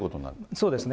そうですね。